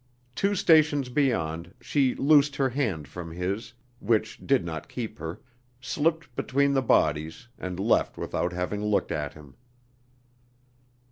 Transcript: Two stations beyond, she loosed her hand from his, which did not keep her, slipped between the bodies and left without having looked at him.